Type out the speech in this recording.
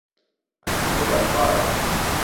A te kwuan kwagra.